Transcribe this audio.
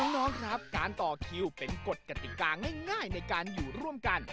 น้องครับการต่อคิวเป็นกฎกติกาง่ายในการอยู่ร่วมกัน